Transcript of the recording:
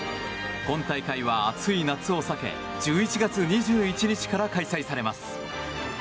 今大会は暑い夏を避け１１月２１日から開催されます。